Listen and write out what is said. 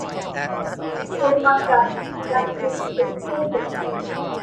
'คุณมาจากไหน' ราชินีแดงพูด